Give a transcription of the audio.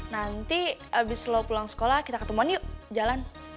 nanti abis lo pulang sekolah kita ketemuan yuk jalan